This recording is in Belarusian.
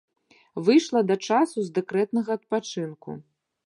Выйшла да часу з дэкрэтнага адпачынку.